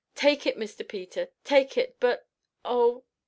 "Take it, Mr. Peter take it, but oh!"